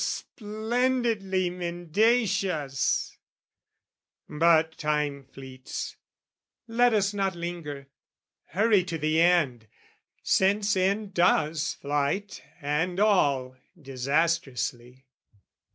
O splendidly mendacious! But time fleets: Let us not linger: hurry to the end, Since end does flight and all disastrously.